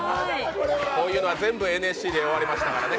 こういうのは全部ＮＳＣで教わりましたからね。